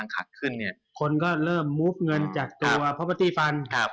ก็คือจะสะพานอ่ะ